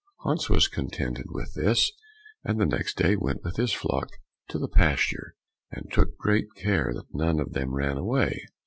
Hans was contented with this, and the next day went with his flock to the pasture, and took great care that none of them ran away.